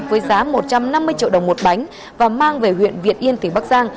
với giá một trăm năm mươi triệu đồng một bánh và mang về huyện việt yên tỉnh bắc giang